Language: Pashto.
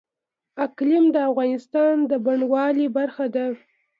اقلیم د افغانستان د بڼوالۍ برخه ده.